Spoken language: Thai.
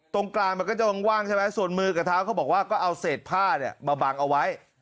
ตรงกลางมันก็จะว่างใช่ไหมส่วนมือกับเท้าเขาบอกว่าก็เอาเศษผ้าเนี่ยมาบังเอาไว้